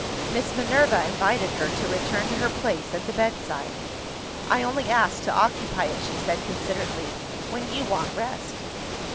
Miss Minerva invited her to return to her place at the bedside. "I only ask to occupy it," she said considerately, "when you want rest."